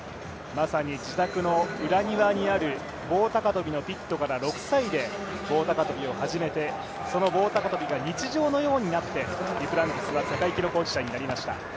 まさに自宅の裏庭にある棒高跳のピットから６歳で棒高跳を始めて、その棒高跳が日常のようになってデュプランティスは世界記録保持者になりました。